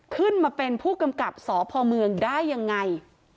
ขึ้นมาเป็นผู้กำกับสพเมืองได้ยังไง